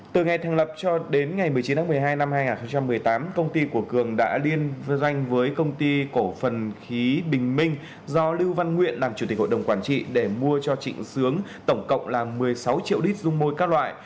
từ ngày thành lập cho đến ngày một mươi chín tháng một mươi hai năm hai nghìn một mươi tám công ty của cường đã liên doanh với công ty cổ phần khí bình minh do lưu văn nguyện làm chủ tịch hội đồng quản trị để mua cho trịnh sướng tổng cộng là một mươi sáu triệu lít dung môi các loại